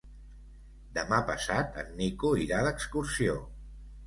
Demà passat en Nico irà d'excursió.